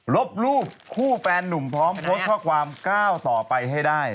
ลบรูปคู่แฟนนุ่มพร้อมโพสต์ข้อความก้าวต่อไปให้ได้